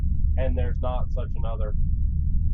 And there's not such another.